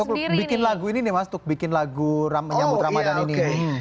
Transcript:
untuk bikin lagu ini nih mas tuk bikin lagu menyambut ramadan ini